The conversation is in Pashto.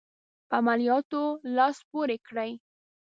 په عملیاتو لاس پوري کړي.